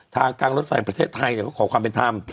ทางการรถไฟประเทศไทยก็ขอความเป็นธรรม